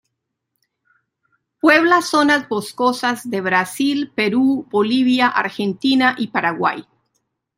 Puebla zonas boscosas de Brasil, Perú, Bolivia, Argentina y Paraguay.